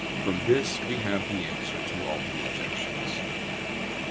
From this we have the answer to all the objections.